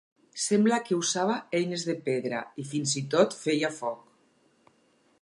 Sembla que usava eines de pedra i fins i tot feia foc.